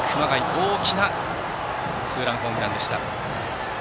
大きなツーランホームランでした。